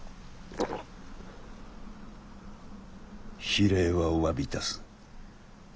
非礼はお詫びいたす。